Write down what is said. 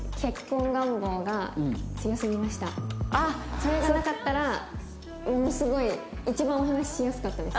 それがなかったらもうすごい一番お話ししやすかったです。